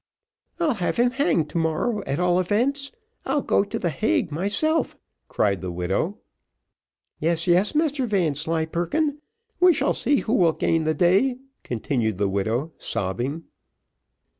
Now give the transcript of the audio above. "I'll have him hanged to morrow, at all events. I'll go to the Hague myself," cried the widow. "Yes, yes, Mr Vanslyperken, we shall see who will gain the day," continued the widow, sobbing.